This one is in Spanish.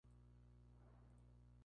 Tienen pupilas ovaladas y angostas.